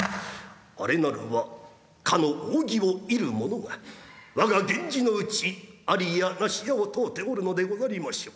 「あれなるはかの扇を射る者が我が源氏のうちありやなしやを問うておるのでござりましょう。